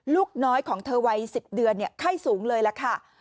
ลูกน้อยของเธอวัย๑๐เดือนไข้สูงเลยล่ะค่ะ